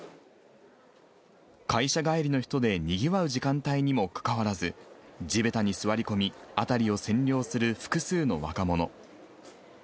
会社帰りの人でにぎわう時間帯にもかかわらず、地べたに座り込み、辺りを占領する複数の若者。